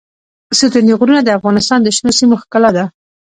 ستوني غرونه د افغانستان د شنو سیمو ښکلا ده.